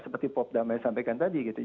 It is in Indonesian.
seperti pop damai sampaikan tadi gitu